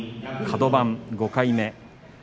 カド番５回目。